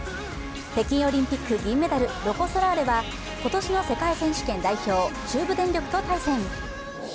北京オリンピック銀メダル、ロコ・ソラーレは今年の世界選手権代表、中部電力と対戦。